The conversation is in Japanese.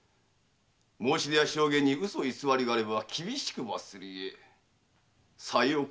申し出や証言に嘘偽りがあれば厳しく罰するゆえさよう心得よ。